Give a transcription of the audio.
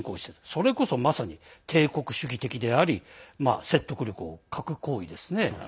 それこそまさに帝国主義的であり説得力を欠く行為ですね。